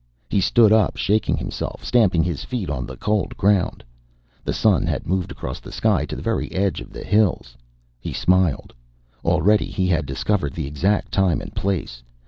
He stood up, shaking himself, stamping his feet on the cold ground. The sun had moved across the sky to the very edge of the hills. He smiled. Already he had discovered the exact time and place.